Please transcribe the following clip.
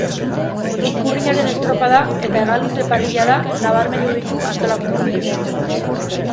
Ikurriñaren estropada eta hegaluze parrillada nabarmendu ditu antolakuntzak.